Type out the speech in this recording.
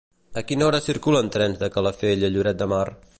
A quina hora circulen trens de Calafell a Lloret de Mar?